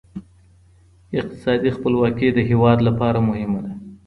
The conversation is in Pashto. اقتصادي خپلواکي د هیواد لپاره مهمه ده.